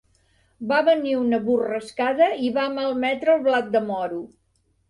Va venir una borrascada i va malmetre el blat de moro.